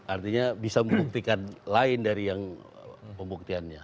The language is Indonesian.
artinya bisa membuktikan lain dari yang pembuktiannya